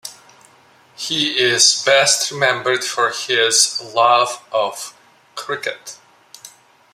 He is best remembered for his love of cricket.